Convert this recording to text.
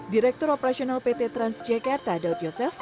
direktur operasional pt transjakarta daud yosef